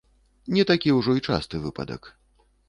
Не такі ўжо і часты выпадак.